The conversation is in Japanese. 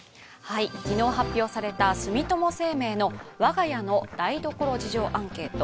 昨日発表された住友生命のわが家の台所事情アンケート。